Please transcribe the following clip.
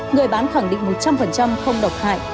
người bán khẳng định một trăm linh không độc hại